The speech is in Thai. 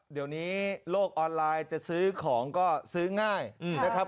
เดี๋ยวนี้โลกออนไลน์จะซื้อของก็ซื้อง่ายนะครับ